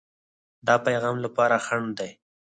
د پیغام لپاره خنډ دی.